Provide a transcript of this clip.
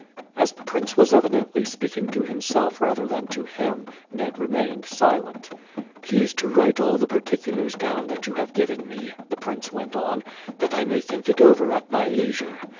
As the prince was evidently speaking to himself rather than to him, Ned remained silent. "Please to write all the particulars down that you have given me," the prince went on, "that I may think it over at my leisure.